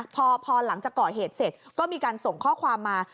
พอหลังจากก่อเหตุเสร็จก็มีการส่งข้อความมา